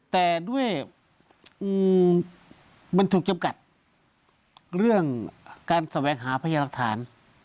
แต่ด้วยมันถูกจำกัดเรื่องการแสวงหาพยาหลักฐาน